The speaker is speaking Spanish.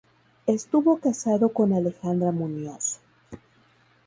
Estuvo casado con Alejandra Muñoz.